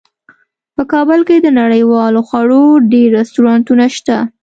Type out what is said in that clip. په کابل کې د نړیوالو خوړو ډیر رستورانتونه شته